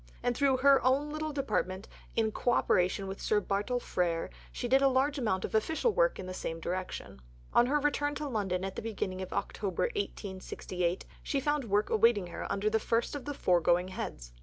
And through her "own little Department" in co operation with Sir Bartle Frere she did a large amount of official work in the same direction. On her return to London at the beginning of October 1868, she found work awaiting her under the first of the foregoing heads.